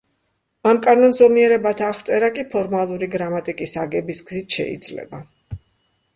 ამ კანონზომიერებათა აღწერა კი ფორმალური გრამატიკის აგების გზით შეიძლება.